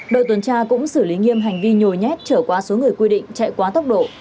đội tuần tra cũng xử lý nghiêm hành vi nhồi nhét trở qua số người quy định chạy quá tốc độ